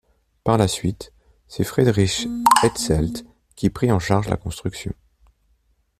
Par la suite c'est Friedrich Hetzelt qui prit en charge la construction.